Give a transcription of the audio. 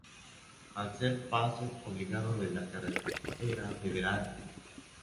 Al ser paso obligado de la carretera federal No.